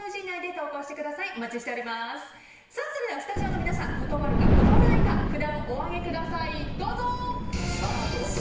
それでは、スタジオの皆さん断るか、断らないか札をお上げください。